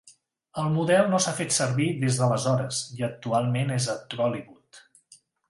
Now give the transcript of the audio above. El model no s'ha fet servir des d'aleshores, i actualment és a Trollywood.